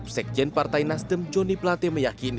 sekjen partai nasdem joni platia